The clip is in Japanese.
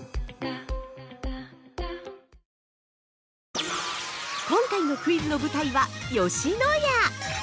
◆今回のクイズの舞台は吉野家！